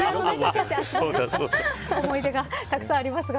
思い出がたくさんありますが。